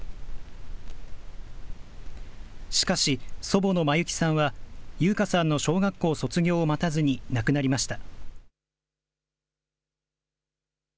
しかし、祖母の真幸さんは、悠華さんの小学校卒業を待たずに亡くなりました。